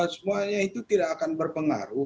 semuanya itu tidak akan berpengaruh